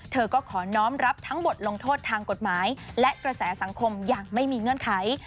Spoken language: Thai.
เธอก็ขอน้องรับทั้งบทลงโทษทางกฎหมายและกระแสสังคมอย่างไม่มีเงื่อนไข